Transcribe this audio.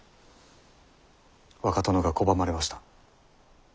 若殿が拒まれました。